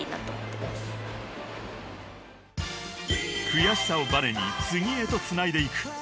［悔しさをばねに次へとつないでいく］